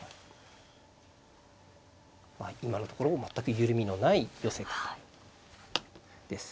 今のところ全く緩みのない寄せ方です。